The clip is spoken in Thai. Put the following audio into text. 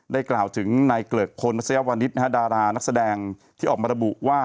ได้กล่าวถึงนายเกลือกคนมัศยาวนิทดารานักแสดงที่ออกมาระบุว่า